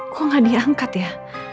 kok gak diangkat ya